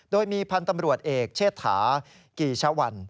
โดยมีพันธ์ตำรวจเอกเชษฐากีชะวัน